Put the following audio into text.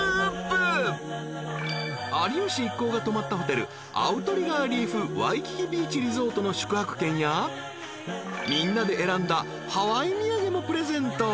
［有吉一行が泊まったホテルアウトリガー・リーフ・ワイキキ・ビーチ・リゾートの宿泊券やみんなで選んだハワイ土産もプレゼント］